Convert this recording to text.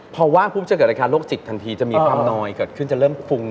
พอว่างปุ๊บจะเกิดอาการโรคจิตทันทีจะมีความนอยเกิดขึ้นจะเริ่มฟุ้ง